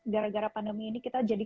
gara gara pandemi ini kita jadi